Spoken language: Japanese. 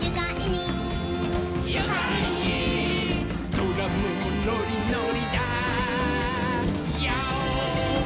「ドラムもノリノリだヨー！」